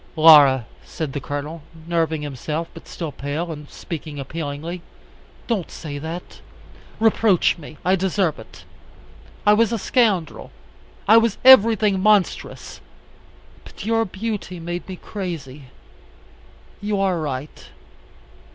"Laura," said the Colonel, nerving himself, but still pale, and speaking appealingly, "don't say that. Reproach me. I deserve it. I was a scoundrel. I was everything monstrous. But your beauty made me crazy. You are right.